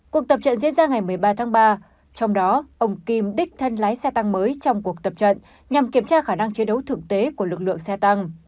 cuộc tập trận diễn ra ngày một mươi ba tháng ba trong đó ông kim đích thân lái xe tăng mới trong cuộc tập trận nhằm kiểm tra khả năng chiến đấu thực tế của lực lượng xe tăng